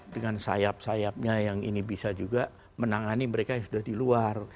dengan sayap sayapnya yang ini bisa juga menangani mereka yang sudah di luar